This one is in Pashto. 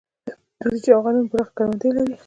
د وريجو او غنمو پراخې کروندې لري.